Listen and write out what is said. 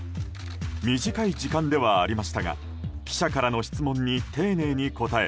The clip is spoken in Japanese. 短い時間ではありましたが記者からの質問に丁寧に答え